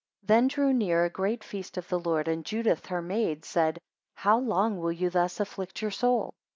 2 Then drew near a great feast of the Lord, and Judith her maid, said, How long will you thus afflict your soul?